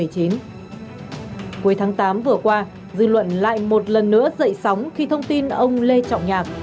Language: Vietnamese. cuối tháng tám vừa qua dư luận lại một lần nữa dậy sóng khi thông tin ông lê trọng nhạc